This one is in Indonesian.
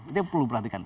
itu perlu diperhatikan